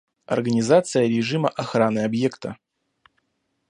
Организация режима охраны объекта